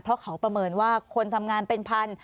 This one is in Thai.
เพราะเขาประเมินว่าคนทำงานเป็นพัน